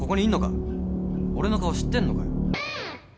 俺の顔知ってんのかよ。